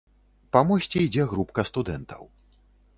Па мосце ідзе групка студэнтаў.